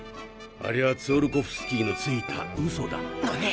あれはツィオルコフスキーのついたウソだ。